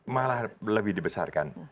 malah lebih dibesarkan